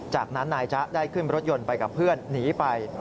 จากนั้นนายจ๊ะได้ขึ้นรถยนต์ไปกับเพื่อนหนีไป